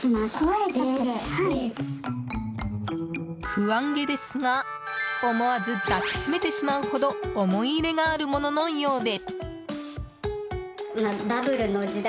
不安げですが思わず抱きしめてしまうほど思い入れがあるもののようで。